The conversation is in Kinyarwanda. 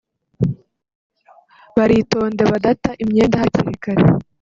baritonde badata imyenda hakiri kare